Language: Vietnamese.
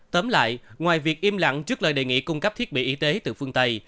tóm lại ngoài việc im lặng trước lời đề nghị cung cấp thiết bị y tế từ phương tây